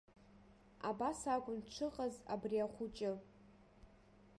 Абас акәын дшыҟаз абри ахәыҷы.